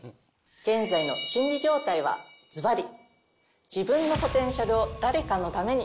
現在の心理状態はズバリ！